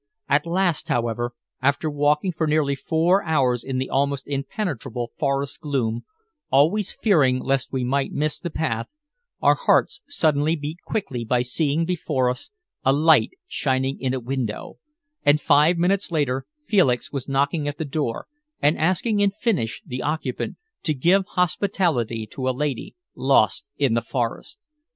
At last, however, after walking for nearly four hours in the almost impenetrable forest gloom, always fearing lest we might miss the path, our hearts suddenly beat quickly by seeing before us a light shining in a window, and five minutes later Felix was knocking at the door, and asking in Finnish the occupant to give hospitality to a lady lost in the forest.